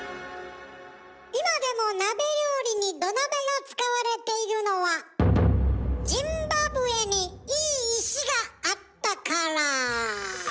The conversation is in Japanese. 今でも鍋料理に土鍋が使われているのはジンバブエにいい石があったから。